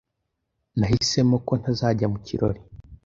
Nahisemo ko ntazajya mu kirori.